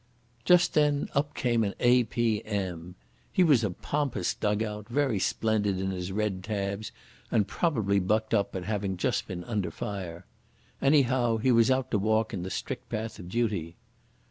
Just then up came an A.P.M. He was a pompous dug out, very splendid in his red tabs and probably bucked up at having just been under fire. Anyhow he was out to walk in the strict path of duty.